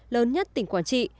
lớn nhất tỉnh quảng trị